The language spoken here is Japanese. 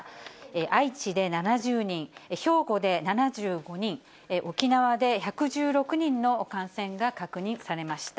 愛知で７０人、兵庫で７５人、沖縄で１１６人の感染が確認されました。